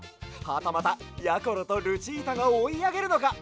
はたまたやころとルチータがおいあげるのか？